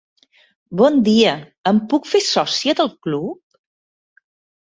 Bon dia. Em puc fer sòcia del club?